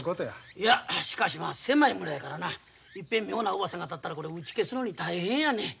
いやしかしまあ狭い村やからないっぺん妙なうわさが立ったらこれ打ち消すのに大変やねん。